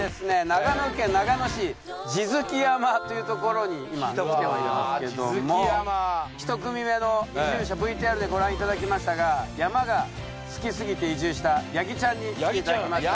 長野県長野市地附山というところに今来ておりますけども一組目の移住者ＶＴＲでご覧いただきましたが山が好きすぎて移住したやぎちゃんに来ていただきました